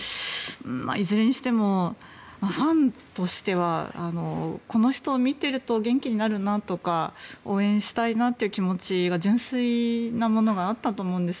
いずれにしてもファンとしてはこの人を見てると元気になるなとか応援したいなという気持ちが純粋なものがあったと思うんです。